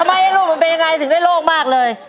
ทำไมลูกมันเป็นยังไงถึงได้โล่งมากเลย